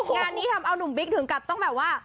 งานนี้ทำเอานุ่มบิ๊กถึงกับต้องแบบว่า